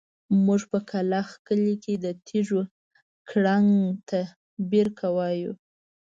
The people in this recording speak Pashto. موږ په کلاخ کلي کې د تيږو کړنګ ته بېرکه وايو.